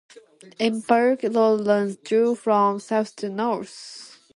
The Emu Park Road runs through from south to north.